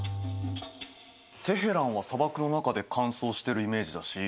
テヘランは砂漠の中で乾燥してるイメージだし